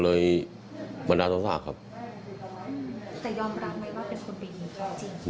แต่ยอมรับว่าเป็นคนเป็นหญิงได้จริง